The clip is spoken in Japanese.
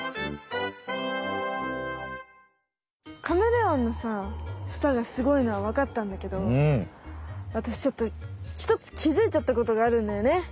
カメレオンの舌がすごいのはわかったんだけどわたしちょっとひとつきづいちゃったことがあるんだよね。